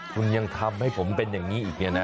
คุณยังทำให้ผมเป็นอย่างนี้อีกเนี่ยนะ